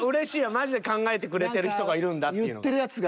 マジで考えてくれてる人がいるんだっていうのが。